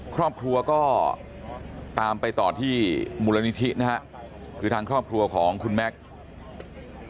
ครอบครัวก็ตามไปต่อที่มูลนิธินะฮะคือทางครอบครัวของคุณแม็กซ์